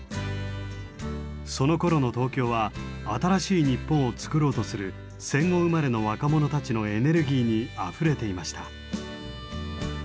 そのころの東京は新しい日本をつくろうとする戦後生まれの若者たちのエネルギーにあふれていました。